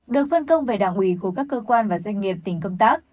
được phân công về đảng ủy khối các cơ quan và doanh nghiệp tỉnh công tác